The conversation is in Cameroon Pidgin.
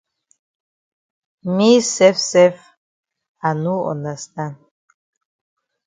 Me sef sef I no understand.